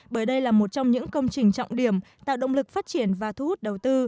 bởi đây là một trong những công trình trọng điểm tạo động lực phát triển và thu hút đầu tư